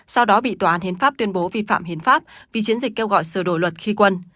sau đó bị tòa án hiến pháp tuyên bố vi phạm hiến pháp vì chiến dịch kêu gọi sửa đổi luật khi quân